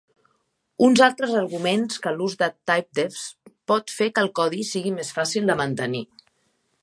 Uns altres argumenten que l'ús de typedefs pot fer que el codi sigui més fàcil de mantenir.